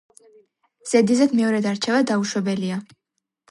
ზედიზედ მეორედ არჩევა დაუშვებელია.